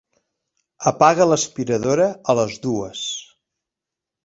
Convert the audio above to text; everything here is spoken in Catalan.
Apaga l'aspiradora a les dues.